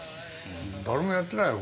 誰もやってないよ